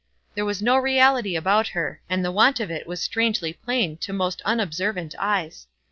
There was no reality about her, and the want of it was strangely plain to most unobservant eyes.